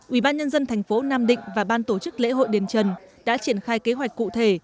ubnd tp nam định và ban tổ chức lễ hội đền trần đã triển khai kế hoạch cụ thể